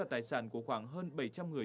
tài sản của khoảng hơn bảy trăm linh người